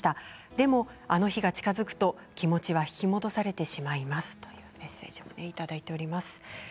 でも、あの時が近づくと気持ちは引き戻されてしまいますというメッセージをいただきました。